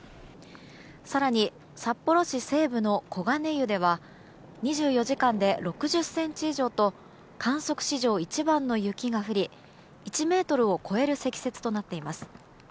更に、札幌市西部の小金湯では２４時間で６０ｃｍ以上と観測史上一番の雪が降り１ｍを超える積雪となっています。